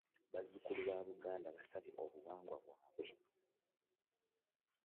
Bazzukulu ba Buganda beesambye obuwangwa bwabwe.